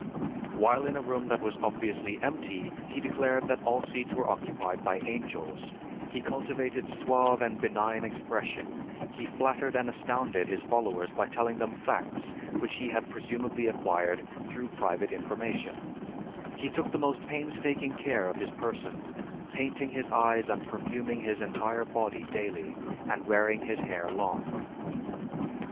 While in a room that was obviously empty, he declared that all seats were occupied by angels; he cultivated suave and benign expression; he flattered and astounded his followers by telling them facts which he had presumably acquired through private information; he took the most painstaking care of his person, painting his eyes and perfuming his entire body daily, and wearing his hair long.